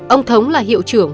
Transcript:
ông thống là hiệu trưởng